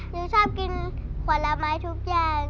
หนูชอบกินผลไม้ทุกอย่าง